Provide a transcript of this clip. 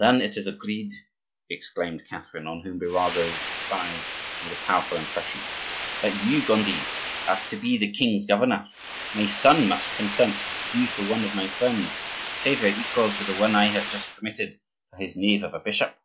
"Then, it is agreed," exclaimed Catherine, on whom Birago's reply made a powerful impression, "that you, Gondi, are to be the king's governor. My son must consent to do for one of my friends a favor equal to the one I have just permitted for his knave of a bishop.